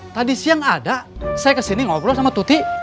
tadi siang ada saya kesini ngobrol sama tuti